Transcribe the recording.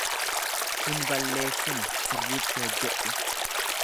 Hin balleessini sirriitti hojjedhu.